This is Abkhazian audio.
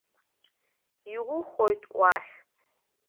Иухоит уахь.